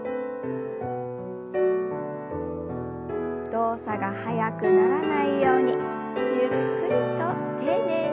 動作が速くならないようにゆっくりと丁寧に。